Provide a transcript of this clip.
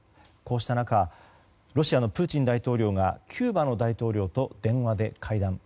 こうした中ロシアのプーチン大統領がキューバの大統領と電話で会談。